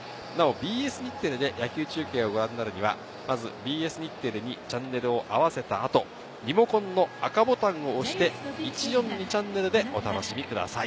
ＢＳ日テレで野球中継をご覧になるには、ＢＳ日テレにチャンネルを合わせた後、リモコンの赤ボタンを押してお楽しみください。